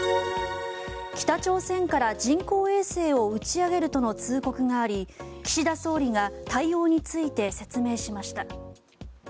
北朝鮮から人工衛星を打ち上げるとの通告があり岸田総理が対応について説明しました。